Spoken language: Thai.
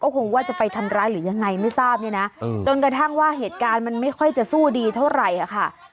คงว่าจะไปทำร้ายหรือยังไงไม่ทราบเนี่ยนะจนกระทั่งว่าเหตุการณ์มันไม่ค่อยจะสู้ดีเท่าไหร่ค่ะ